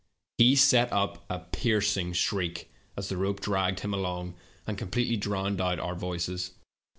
He set up a piercing shriek as the rope dragged him along, and completely drowned our voices.